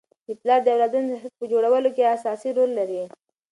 پلار د اولادونو د شخصیت په جوړولو کي اساسي رول لري.